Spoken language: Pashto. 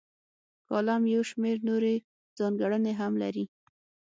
کالم یو شمیر نورې ځانګړنې هم لري.